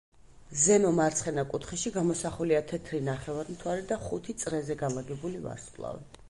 ზემო მარცხენა კუთხეში გამოსახულია თეთრი ნახევარმთვარე და ხუთი წრეზე განლაგებული ვარსკვლავი.